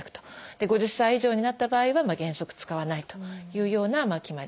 ５０歳以上になった場合は原則使わないというような決まりがあります。